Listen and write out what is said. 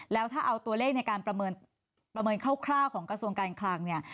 แล้วถ้าเอาตัวเลขในการประเมินคร่าวของกระทรวงการคลังเนี่ย